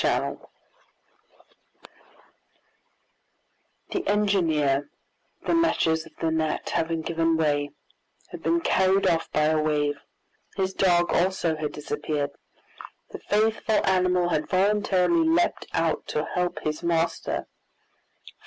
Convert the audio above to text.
Chapter 3 The engineer, the meshes of the net having given way, had been carried off by a wave. His dog also had disappeared. The faithful animal had voluntarily leaped out to help his master.